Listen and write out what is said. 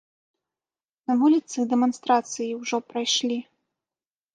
На вуліцы дэманстрацыі ўжо прайшлі.